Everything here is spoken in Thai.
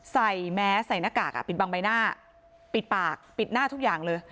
ใส่แมสใส่หน้ากากปิดบังใบหน้าปิดปากปิดหน้าทุกอย่างเลย